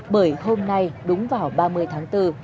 bởi hôm nay đúng vào ba mươi tháng bốn